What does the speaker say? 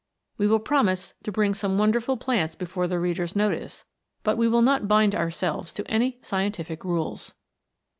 We will promise to bring some wonderful plants before the reader's notice, but we will not bind ourselves to any scien tific rules.